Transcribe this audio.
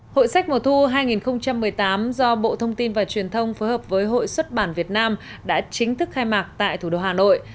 hội sách mùa thu hai nghìn một mươi tám do bộ thông tin và truyền thông phối hợp với hội xuất bản việt nam đã chính thức khai mạc tại thủ đô hà nội